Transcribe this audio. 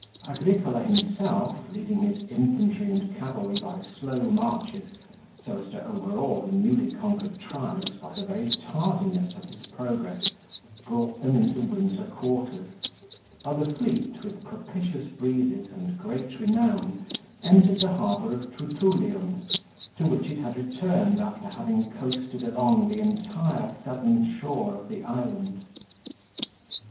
Agricola himself, leading his infantry and cavalry by slow marches, so as to overawe the newly conquered tribes by the very tardiness of his progress, brought them into winter quarters, while the fleet with propitious breezes and great renown entered the harbour of Trutulium, to which it had returned after having coasted along the entire southern shore of the island.